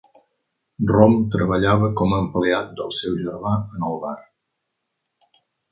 Rom treballava com empleat del seu germà en el bar.